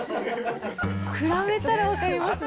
比べたら分かりますね。